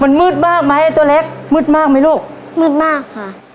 มันมืดมากไหมตัวเล็กมืดมากไหมลูกมืดมากค่ะ